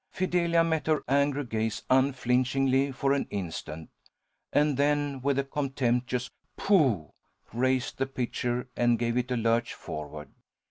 Fidelia met her angry gaze unflinchingly for an instant, and then, with a contemptuous "pooh!" raised the pitcher and gave it a lurch forward.